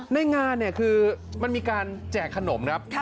ในงานเนี่ยคือมันมีการแจกขนมครับ